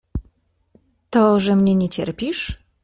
To, że mnie nie cierpisz?